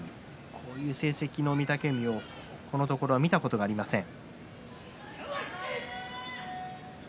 こういう成績の御嶽海をこのところ見たことがありません。